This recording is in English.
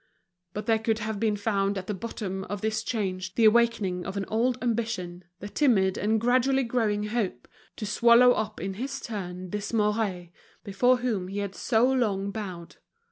But there could have been found at the bottom of this change the awakening of an old ambition, the timid and gradually growing hope to swallow up in his turn this Mouret, before whom he had so long bowed.